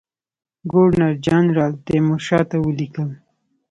ګورنر جنرال تیمورشاه ته ولیکل.